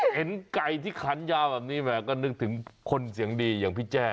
เห็นไก่ที่ขันยาวแบบนี้แหมก็นึกถึงคนเสียงดีอย่างพี่แจ้